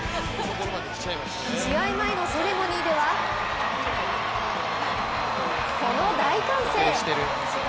試合前のセレモニーではこの大歓声。